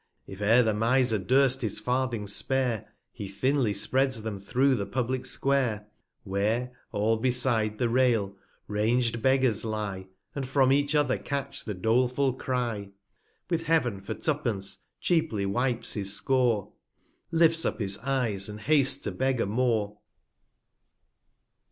If e'er the Miser durst his Farthings spare, He thinly spreads them through the publick Square, Where, all beside the Rail, rang'd Beggars lie, 341 And from each other catch the doleful Cry ; With Heav'n, for Two pence, cheaply wipes his Score, Lifts up his Eyes, and hasts to beggar more.